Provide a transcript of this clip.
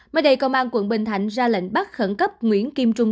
mới đây công an quận bình thạnh ra lệnh bắt khẩn cấp nguyễn kim trung